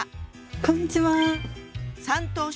こんにちは。